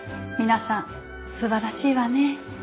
皆さん素晴らしいわね。